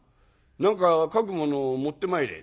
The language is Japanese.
何か描くものを持ってまいれ」。